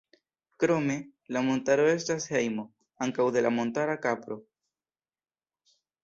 Krome, la montaro estas hejmo ankaŭ de la montara kapro.